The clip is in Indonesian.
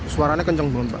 suaranya kenceng belum pak